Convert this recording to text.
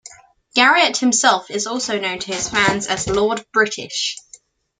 Garriott himself is also known to his fans as Lord British.